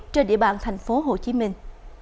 trên địa bàn thành phố hồ chí minh